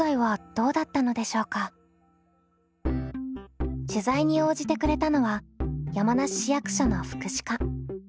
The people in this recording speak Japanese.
一方取材に応じてくれたのは山梨市役所の福祉課。